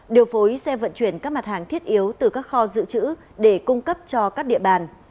điều phối xe vận chuyển các mặt hàng thiết yếu từ các kho dự trữ để cung cấp cho các địa bàn